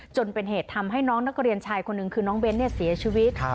จนเป็นเหตุทำให้น้องนักเรียนชายคนหนึ่งคือน้องเบ้นเสียชีวิต